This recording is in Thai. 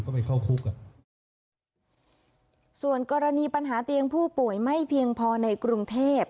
ก็ไปเข้าคุกอ่ะส่วนกรณีปัญหาเตียงผู้ป่วยไม่เพียงพอในกรุงเทพ